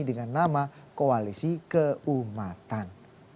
dengan nama koalisi keumatan